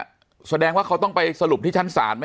แสดงว่าเขาต้องไปสรุปที่ชั้นศาลไหม